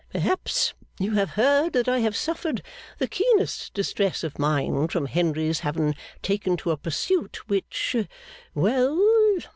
Perhaps you have heard that I have suffered the keenest distress of mind from Henry's having taken to a pursuit which well!